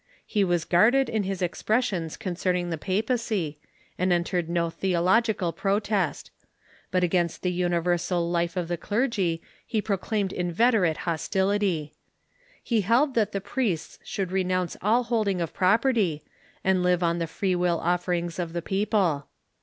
He was guarded in his expressions concerning the papacy, and entered no theological protest ; but against the universal life of the clergy he proclaimed in veterate hostility. He held that the priests should renounce all holding of property, and live on the free will offerings of the people.